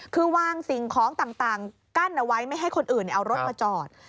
คือวางสิ่งของต่างกั้นเอาไว้ไม่ให้คนอื่นเอารถมาจอด